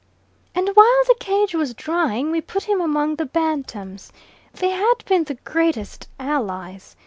"And while the cage was drying we put him among the bantams. They had been the greatest allies.